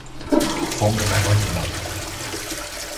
Fogd meg a nyulat!